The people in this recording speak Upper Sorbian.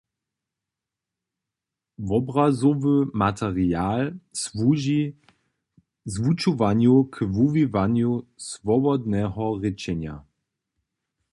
Wobrazowy material słuži zwučowanju k wuwiwanju swobodneho rěčenja.